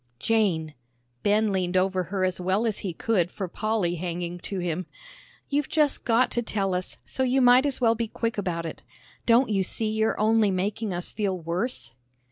"Jane," Ben leaned over her as well as he could for Polly hanging to him, "you've just got to tell us, so you might as well be quick about it. Don't you see you're only making us feel worse?"